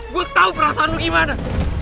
gue tau perasaan lo gimana